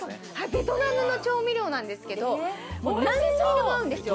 ベトナムの調味料なんですけれども、何にでも合うんですよ。